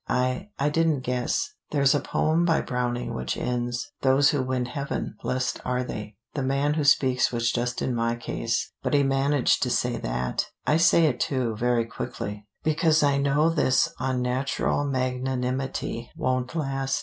I I didn't guess. There's a poem by Browning which ends 'Those who win heaven, blest are they.' The man who speaks was just in my case. But he managed to say that. I say it too, very quickly, because I know this unnatural magnanimity won't last.